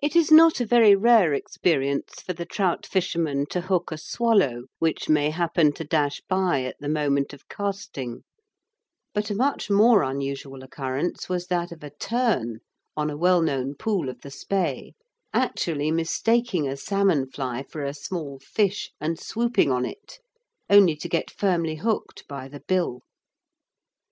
It is not a very rare experience for the trout fisherman to hook a swallow which may happen to dash by at the moment of casting; but a much more unusual occurrence was that of a tern, on a well known pool of the Spey, actually mistaking a salmon fly for a small fish and swooping on it, only to get firmly hooked by the bill.